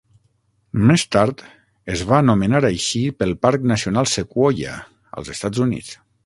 Més tard es va nomenar així pel Parc Nacional Sequoia, als Estats Units.